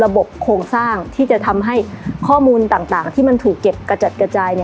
โครงสร้างที่จะทำให้ข้อมูลต่างที่มันถูกเก็บกระจัดกระจาย